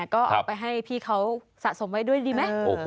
ก็เอาไปให้พี่เขาสะสมไว้ด้วยดีไหม